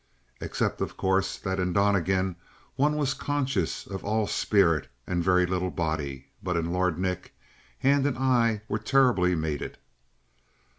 Except, of course, that in Donnegan, one was conscious of all spirit and very little body, but in Lord Nick hand and eye were terribly mated.